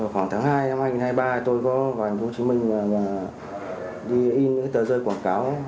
khoảng tháng hai năm hai nghìn hai mươi ba tôi có vào hồ chí minh đi in những tờ rơi quảng cáo